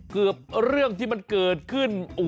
เรื่องที่มันเกิดขึ้น